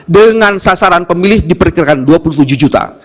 dengan sasaran pemilih diperkirakan dua puluh tujuh juta